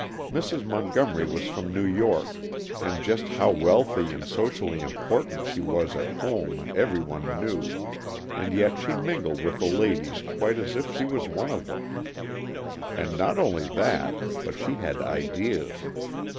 Mrs. Montgomery was from New York, and just how wealthy and socially important she was at home every one knew, and yet she mingled with the ladies quite as if she was one of them. And not only that, but she had ideas.